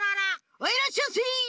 はいいらっしゃいませ。